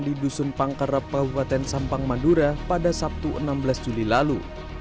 di dusun pangkarap kabupaten sampang madura pada sabtu enam belas juli lalu